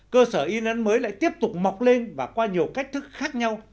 cơ sở in ấn mới lại tiếp tục mọc lên và qua nhiều cách thức khác nhau